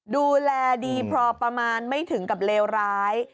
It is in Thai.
ดูแลดีพอประมาณไม่ถึงกับเลวร้าย